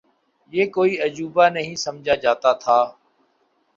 یہ کوئی عجوبہ نہیں سمجھا جاتا تھا۔